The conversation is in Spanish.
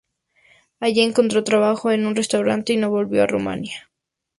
Allí encontró trabajo en un restaurante y no volvió a Rumania.